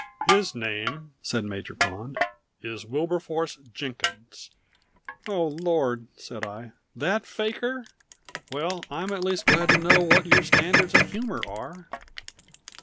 "His name," said Major Pond, "is Wilberforce Jenkins." "Oh, Lord!" said I. "That faker? Well, I am at least glad to know what your standards of humor are."